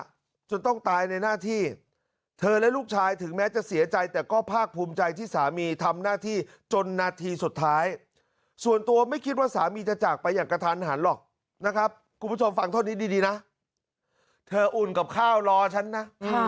จนต้องตายในหน้าที่เธอและลูกชายถึงแม้จะเสียใจแต่ก็ภาคภูมิใจที่สามีทำหน้าที่จนนาทีสุดท้ายส่วนตัวไม่คิดว่าสามีจะจากไปอย่างกระทันหันหรอกนะครับคุณผู้ชมฟังเท่านี้ดีนะเธออุ่นกับข้าวรอฉันนะ